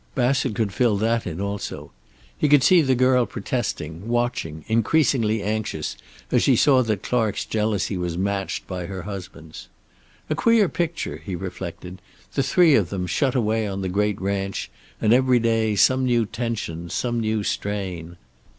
Bassett could fill that in also. He could see the girl protesting, watching, increasingly anxious as she saw that Clark's jealousy was matched by her husband's. A queer picture, he reflected, the three of them shut away on the great ranch, and every day some new tension, some new strain.